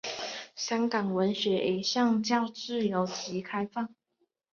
香港文学一向较自由及开放。